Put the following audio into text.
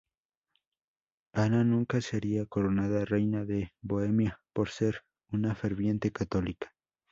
Ana nunca sería coronada reina de Bohemia por ser una ferviente católica.